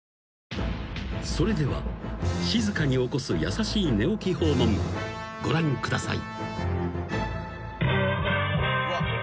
［それでは静かに起こす優しい寝起き訪問］［ご覧ください］